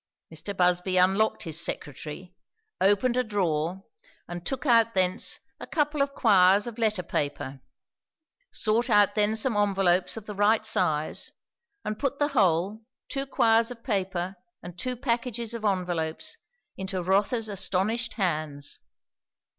Mr. Busby unlocked his secretary, opened a drawer, and took out thence a couple of quires of letter paper: 'sought out then some envelopes of the right size, and put the whole, two quires of paper and two packages of envelopes, into Rotha's astonished hands.